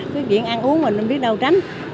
cái chuyện ăn uống mình không biết đâu tránh